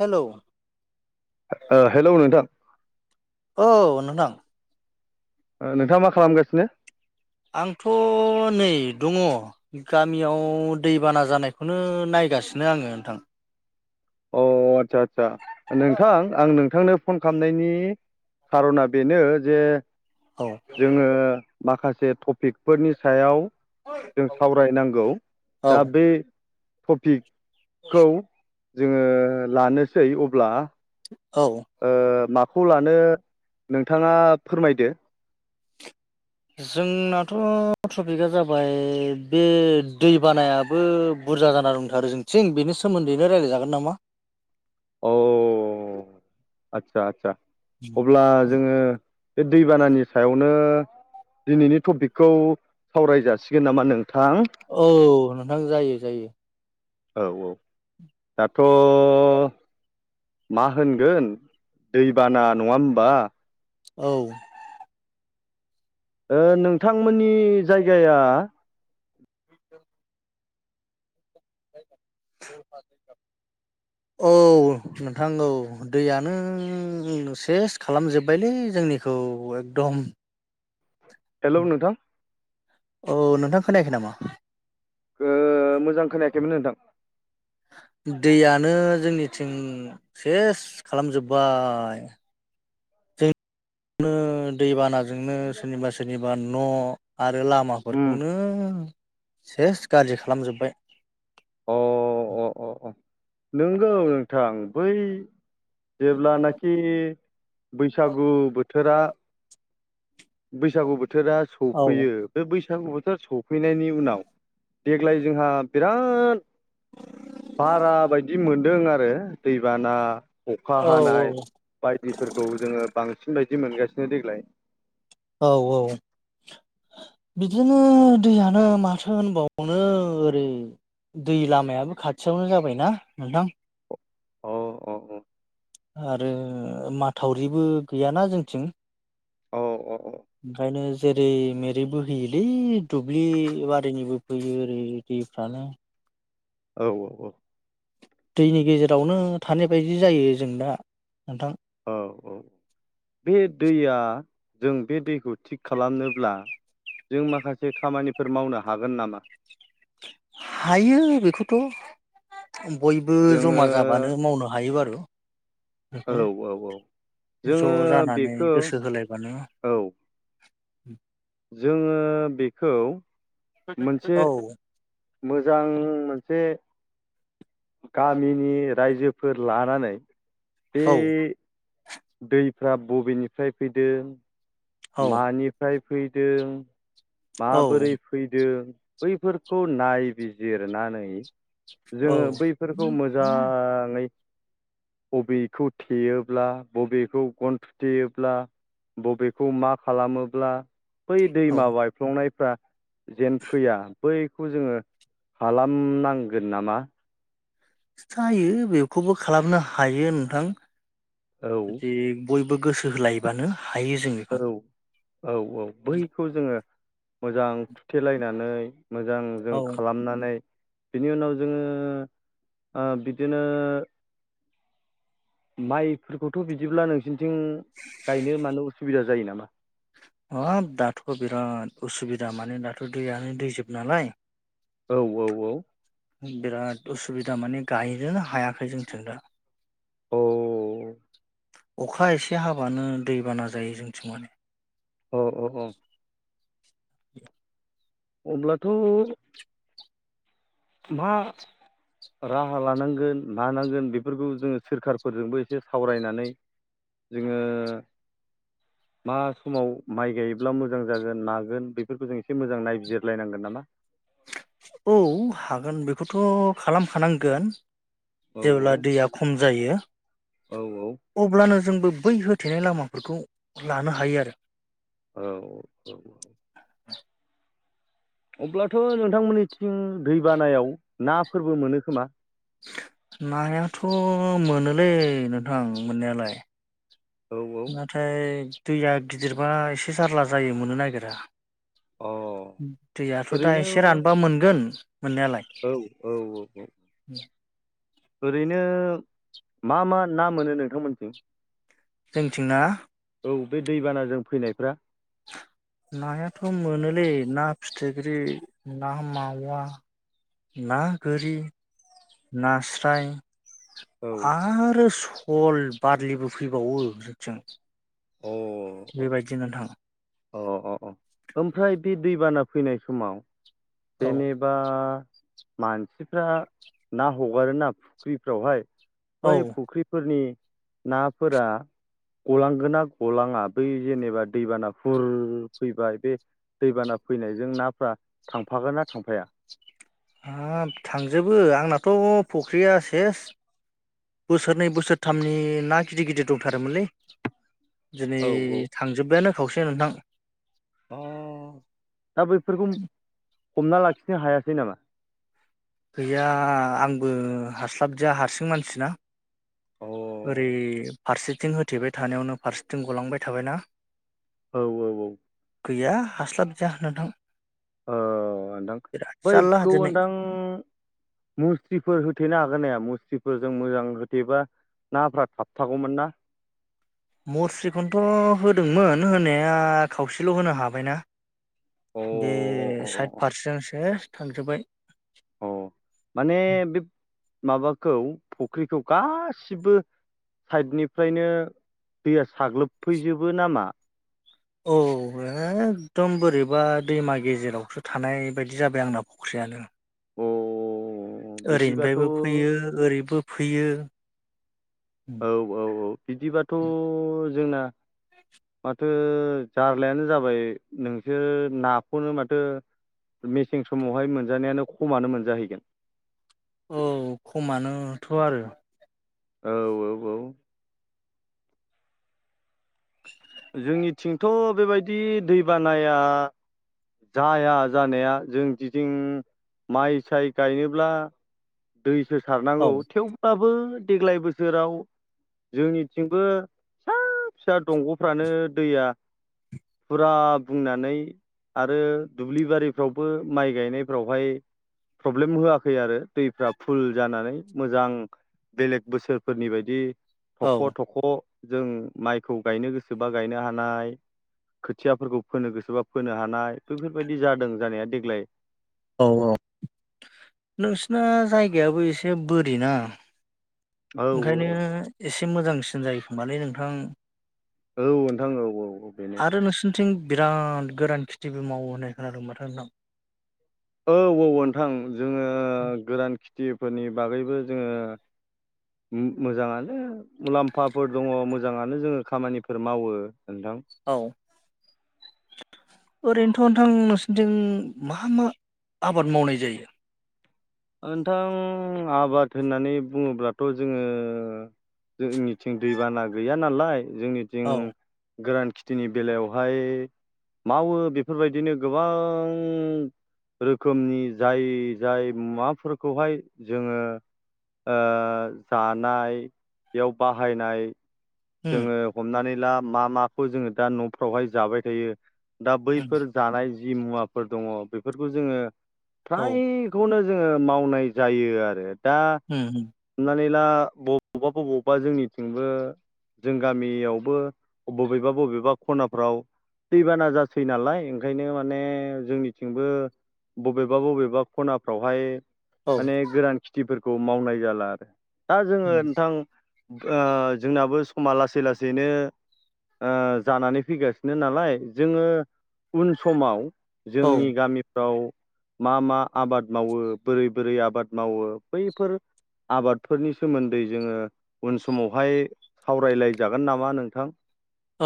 Hello hello नोंथां औ नोंथां नोंथाङा मा खालामगासिनो आंथ' नै दङ गामियाव दैबाना जानायखौनो नायगासिनो आङो नोंथां अ आदसा आस्सा नोंथां आं नोंथांनो फन खालामनायनि खार'ना बेनो जे औ जोङो माखासे टपिकफोरनि सायाव जों सावरायनांगौ औ दा बे टपिक खौ जोङो लानोसै अब्ला औ ओ माखौ लानो नोंथाङा फोरमायदो जोंनाथ' टपिकआ जाबाय बे दै बानायाबो बुरजा जानानानै दंथारो जोंथिंनि बेनि सोमोन्दैनो रायलायजागोन नामा अ आतसा आतसा अब्ला जोङो बे दैबानानि सायावनो दिनैनि टपिकखौ सावराय जासिगोन नामा नों औ नोंथां जायो जायो। औ औ दाथ' मा होनगोन दैबाना नङा होमबा? औ ओ [unintelligible] [inaudible] औ नोंथां औ दैयानो सेस खालाम जोब्बायलै जोंनिख औ एकदम हेलौ नोंथां औ नोंथां खोनायाखै नामा? ओ मोजां खोनायाखैमोन नोंथां। दैयानो जोंनिथिं सेस खालामजोब्बाय। नो दैबानाजोंनो सोरनिबा सोरनिबा न' आरो उम लामाफोरखौनो सेस गाज्रि खालाम जोब्बाय। अ अ अ अ नोंगौ नोंथां बै जेब्लानाखि बैसागु बोथोरा बैसागु बोथोरा औ सौफैयो बे बैस सागु बोथोरा सफैनायनि उनाव देग्लाय जोंहा बिराद बारा बायदि मोनदों आरो दैबाना अखा औ हानाय बायदिफोरखौ जोङो बांसिन बायद दि मोनगासिनो देग्लाय। औ औ बिदिनो दैयानो माथो होनबावनो ओरै दै लामायाबो खाथियावनो जाबायना नोंथां। अ अ अ आरो माथावरिबो गैयाना जोंथिं। अ अ अ ओंखायनो जेरै मेरै बोहोयोलै दुब्लि बारिनिबो फैयो ओरै दैफ्रानो। औ औ औ दैनि गेजेरावनो थानाय बायदि जायो जों दा नोंथां। औ औ बे दैया जों बे दैखौ थिग खालामनोब्ला जों माखासे खामानिफोर मावनो हागोन नामा? हायो बेखौथ' बयबो जोङो ज'मा जाबानो मावनो हायो बारु। हेलौ बेखौ औ औ जोङो ज' जानानै बेखौ गोसो होलायबानो औ [inaudible] जोङो बेखौ मोनसे औ मोजां मोनसे गामिनि रायजोफोर लानानै बे औ दैफ्रा बबेनिफ्राय फैदों औ मानिफ्राय फैदों औ माबोरै फैदों बैफोरखौ नायबिजिरनानै जोङो बैफोरखौ मोजाङै बबेखौ थेयोब्ला बबेखौ गन थुथेयोब्ला बबेख खौ मा खालामोब्ला बै औ दैमा बायफ्लंनायफ्रा जेन फैया बैखौ जोङो खालामनांगोन नामा? जायो बेखौबो खालामनो हायो नोंथां औ [inaudible] जुदि बयबो गोसो होलायबानो हायो जों औ बेखौ औ औ बैखौ जोङो मोजां थुथेलायनानै मोजां जों औ खालामनानै बिनि उनाव जोङो ओ बिदिनो माइफोरखौथ' बिदिब्ला नोंसिनिथिं गायनो मानो उसुबिदा जायो नामा? हाब दाथ' बिराद उसुबिदा माने दाथ' दैयानो दैजोब नालाय औ औ औ बिराद उसुबिदा माने गायनोनो हायाखै जोंथिं दा औ अखा एसे हाबानो दैबाना जायो जोंथिं माने औ औ औ [unintelligible] अब्लाथ' मा राहा लानांगोन मानांगोन बेफोरखौ जोङो सोरखारफोरजोंबो एसे सावरायनानै जोङो मा समाव माइ गायोब्ला मोजां जागोन मागोन बेफोरखौ जों एसे मोजां नायबिजिरलायनांगोन नामा? औ औ हागोन बेखौथ' खालामखानांगोन। औ जेब्ला दैया खम जायो औ अब्लानो जोंबो बै होथेनाय लामाफोरखौ लानो हायो आरो। औ औ। [inaudible] अब्लाथ' नोंथांमोननिथिं दैबानायाव नाफोरबो मोनो खोमा नायाथ' मोनोलै नोंथां मोननायालाय। औ औ नाथाय दैया गिदिरबा एसे जारला जायो मोननो नागिरा। अ दैयाथ' दा ओरैनो एसे रानबा मोनगोन मोननायालाय। औ औ औ ओरैनो मा मा ना मोनो नोंथांमोनथिं? जोंथिंना? औ बे दैबानाजों फैनायफ्रा नायाथ' मोनोलै ना फिथिख्रि, ना मावा ना गोरि नास्राय औ आरो सल, बारलिबो फैबावो जोंथिं। अ बेबायदि नोंथां। अ अ अ ओमफ्राय बे दैबाना फैनाय समाव औ जेनेबा मानसिफ्रा ना हगारोना फुख्रिफ्रावहाय बै फुख्रिफोरनि नाफोरा गलांगोना गलाङा? बै जेनेबा दैबाना हुर फैबाय बे दैबाना फैनायजों नाफ्रा थांफागोन ना थांफाया? हाब थांजोबो आंनाथ' फख्रिया सेस बोसोरनै बोसोरथामनि ना गिदिर गिदिर दंथारोमोनलै दिनै औ औ थांजोब्बायानो खावसे नोंथां। अ दा बैफोरखौ हमना लाखिनो हायासै नामा? गैया आंबो हास्लाबदिया हारसिं मानसिना अ ओरै औ फारसेथिं होथेबाय थानायावनो फारसेथिं गलांबाय थाबायना। औ औ औ। गैया हास्लाबदिया नोंथां। औ नदां बिराद जारला बैखौ दिनै होनदां मुस्रिफोर होथेनो हागोन नाया मुस्रिफोरजों मोजां होथेबा नाफ्रा थाबथागौमोन ना। मुस्रिखौनोथ' होदोंमोन होनाया खावसेल' होनो हाबायना। अ बे साइड फारसेजों सेस थांजोब्बाय। औ माने बे माबाखौ फुख्रिखौ गासिबो साइडनिफ्रायनो दैया साग्लोबफैजोबो नामा? औ एखदम बोरैबा दैमा गेजेरावसो थानाय बायदि जाबाय आंना फख्रि यानो। अ। बिदिबाथ' ओरैनिफ्रायबो फैयो ओरैबो फैयो। औ औ औ बिदिबाथ' जोंना माथो जार्लायानो जाबाय नोंसोर नाखौनो माथो मेसें समावहाय मोनजानायानो खमानो मोनजाहैगोन। औ खमानोथ' आरो औ औ औ। जोंनिथिंथ' बेबायदि दैबानाया जाया जानाया। जों दिदिं माइ साय गायनोब्ला दै सो औ सारनांगौ थेवब्लाबो देग्लाय बोसोराव जोंनिथिंबो फिसा फिसा दंग' फ्रानो दैया फुरा बुंनानै आरो दुब्लि बारिफ्रावबो माइ गायनायफ्रावहाय प्रब्लेम होआखै आरो दैफ्रा फुल जानानै मोजां बेलेग बोसोरफोरनि बायदि थख' थख' जों माइखौ गायनो सोरबा गायनो हानाय खोथियाफोरखौ फोनो गोसोबा फोनो हानाय बेफोरबायदि जादों जानाया देग्लाय। औ औ नोंसिना जायगायाबो एसे बोरि ना। औ ओंखायनो औ एसे मोजांसिन जायोखोमालै नोंथां। औ नोंथां औ औ। औ बेनो आरो नोंसोरनिथिं बिराद गोरान खेथिबो मावो होननाय खोनादों माथो नोंथां। औ औ ओनथां जोङो गोदान खेथिफोरनि बागैबो जोङो मोजाङानो मुलाम्फाफोर दङ मोजाङानो जोङो खामानिफोर मावो नोथां औ ओरैनोथ' नोंथां नोंसिनथिं मा मा आबाद मावनाय जायो? नोंथां आबाद होननानै बुङोब्लाथ' जोङो जोंनिथिं दैबाना गैया नालाय जोंनिथिं औ गोरान खिथिनि बेलायावहाय मावो बेफोरबायदिनो गोबां रोखोमनि जाय जाय माफोरखौहाय जोङो ओ जानाय बेयाव बाहायनाय उम जोङो हमनानै ला मा माखौ जोङो दा न'फ्रावहाय जाबाय थायो। दा उम बैफोर जानाय जि मुवाफोर दङ बेफोरखौ जोङो औ फ्रायखौनो जोङो मावनाय जायो आरो दा उम हमनानै [unintelligible] बबावबा बबावबा जोंनिथिंबो जों गामियावबो बबेबा बबेबा खनाफ्राव दैबाना जासै नालाय ओंखायनो माने जोंनिथिंबो बबेबा बबेबा खनाफ्रावहाय औ माने गोरान खेथिफोरखौ मावनाय जाला आरो। दा जोङो नोंथां ओ जोंनाबो समा लासै लासैनो ओ जानानै फैगासिनो नालाय जोङो उन समाव औ जोंनि गामिफ्राव मा मा आबाद मावो बोरै बोरै आबाद मावो बैफोर आबादफोरनि सोमोन्दै जोङो उन समावहाय सावरायलायजागोन नामा नोंथां?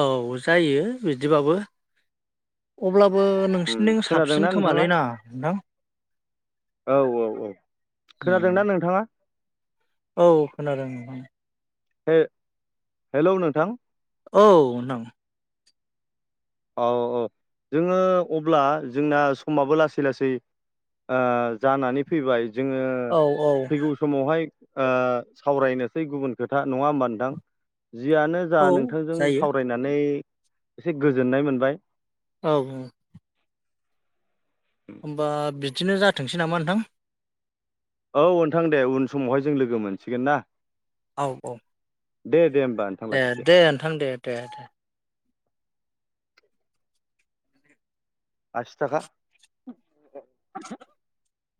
औ जायो बिदिबाबो अब्ला बो उम नोंसिनथिं खोनादोंना साबसिन नोंथाङा? खोमालै ना नोंथां? औ औ औ। खोनादोंना नोंथाङा? औ खोनादों नोंथां। से हेल' नोंथां औ नोंथां। औ औ जोङो अब्ला जोंना समाबो लासै लासै ओ जानानै फैबाय जोङो औ औ फैगौ समावहाय ओ सावरायनोसै गुबुन खोथा। नङा होमबा नोंथां? जियानो जा औ नोंथांजों जायो सावरायनानै एसे गोजोननाय मोनबाय। औ उम। होमबा बिदिनो जाथोंसै नामा नोंथां। औ नोंथां दे उन समावहाय जों लोगो मोनसिगोन ना। औ औ। दे। दे होमबा नोंथां ए लाखिदो दे नोंथां दे दे दे। आसि थाखा